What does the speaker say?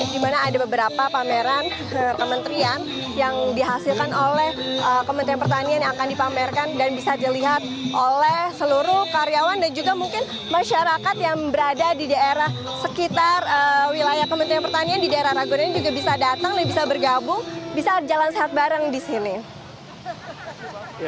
di mana ada beberapa pameran kementerian yang dihasilkan oleh kementerian pertanian yang akan dipamerkan dan bisa dilihat oleh seluruh karyawan dan juga mungkin masyarakat yang berada di daerah sekitar wilayah kementerian pertanian di daerah ragonan ini juga bisa datang dan bisa bergabung bisa jalan sehat bareng di sini